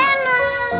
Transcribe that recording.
semoga mu baldwin